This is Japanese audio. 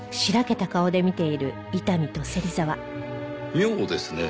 妙ですねぇ。